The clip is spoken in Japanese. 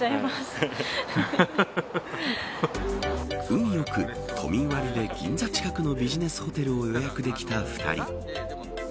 運よく都民割で銀座近くのビジネスホテルを予約できた２人。